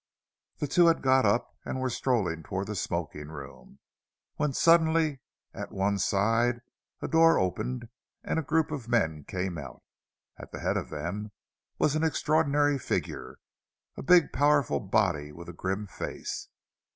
The two had got up and were strolling toward the smoking room; when suddenly at one side a door opened, and a group of men came out. At the head of them was an extraordinary figure, a big powerful body with a grim face.